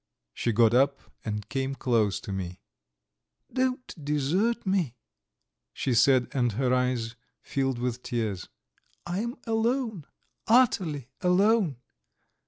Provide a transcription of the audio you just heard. She got up and came close to me. "Don't desert me," she said, and her eyes filled with tears. "I am alone, utterly alone."